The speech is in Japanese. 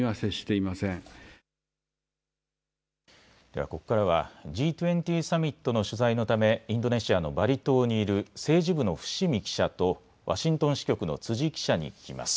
ではここからはＧ２０サミットの取材のためインドネシアのバリ島にいる政治部の伏見記者とワシントン支局の辻記者に聞きます。